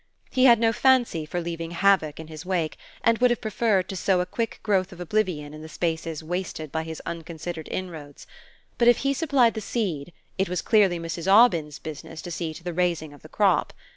He had no fancy for leaving havoc in his wake and would have preferred to sow a quick growth of oblivion in the spaces wasted by his unconsidered inroads; but if he supplied the seed it was clearly Mrs. Aubyn's business to see to the raising of the crop.